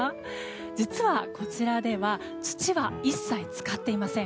実は、こちらでは土は一切使っていません。